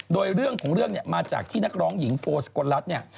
โดยเรื่องของเรื่องเนี่ยมาจากที่นักร้องหญิงโฟสกลรัฐเนี่ย